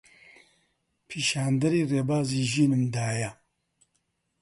پیشاندەری ڕێبازی ژینم دایە